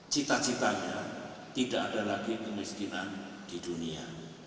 cita citanya tidak ada lagi kemiskinan di dunia